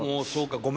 ごめんな。